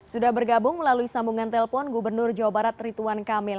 sudah bergabung melalui sambungan telpon gubernur jawa barat rituan kamil